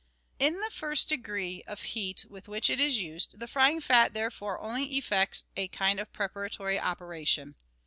In the first degree of heat with which it is used the frying fat therefore only effects a kind of preparatory operation.